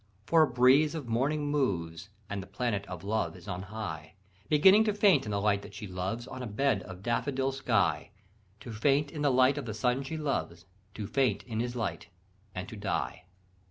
For a breeze of morning moves, And the planet of Love is on high, Beginning to faint in the light that she loves On a bed of daffodil sky. To faint in the light of the sun she loves, To faint in his light, and to die....